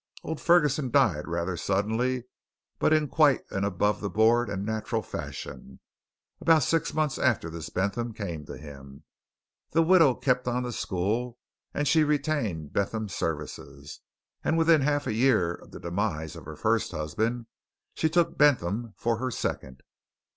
Old Ferguson died rather suddenly but in quite an above board and natural fashion, about six months after this Bentham came to him. The widow kept on the school, and retained Bentham's services. And within half a year of the demise of her first husband, she took Bentham for her second."